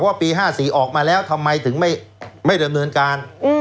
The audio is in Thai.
เพราะว่าปีห้าสี่ออกมาแล้วทำไมถึงไม่ไม่เดินเนินการอืม